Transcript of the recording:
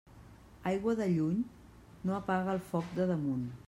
Aigua de lluny no apaga el foc de damunt.